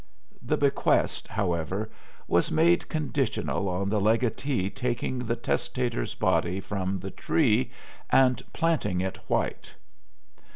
The bequest, however, was made conditional on the legatee taking the testator's body from The Tree and "planting it white."